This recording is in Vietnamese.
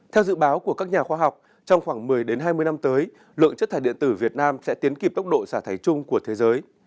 theo dự báo của các nhà khoa học trong khoảng một mươi hai mươi năm tới lượng chất thải điện tử việt nam sẽ tiến kịp tốc độ xả thải chung của thế giới